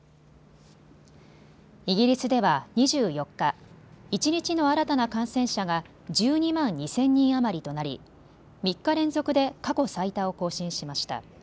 イギリスでは２４日、一日の新たな感染者が１２万２０００人余りとなり３日連続で過去最多を更新しました。